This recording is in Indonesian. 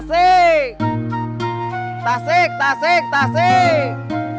tasik tasik tasik